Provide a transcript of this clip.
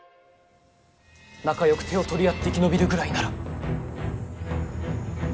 仲よく手を取り合って生き延びるぐらいなら。